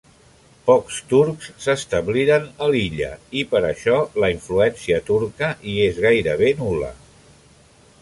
Pocs turcs s'establiren a l'illa i per això la influència turca hi és gairebé nul·la.